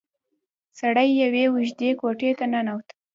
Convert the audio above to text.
سړی يوې اوږدې کوټې ته ننوت.